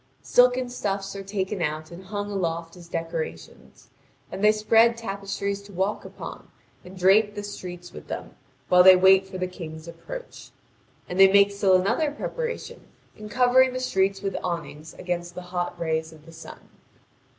Silken stuffs are taken out and hung aloft as decorations, and they spread tapestries to walk upon and drape the streets with them, while they wait for the King's approach. And they make still another preparation, in covering the streets with awnings against the hot rays of the sun.